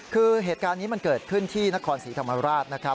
คือเหตุการณ์นี้มันเกิดขึ้นที่นครศรีธรรมราชนะครับ